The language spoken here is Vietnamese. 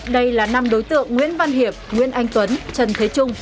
đây là năm đối tượng nguyễn văn hiệp nguyễn anh tuấn trần thế trung